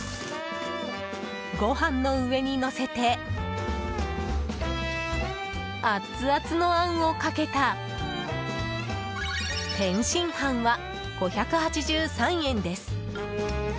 ご飯の上にのせてアッツアツのあんをかけた天津飯は、５８３円です。